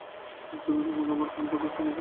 তুমি কখনও আমার কোন কথা শুনেছ?